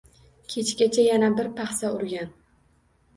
Kechgacha yana bir paxsa urgan.